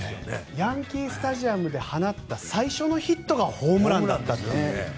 ヤンキー・スタジアムで放った最初のヒットがホームランだったという。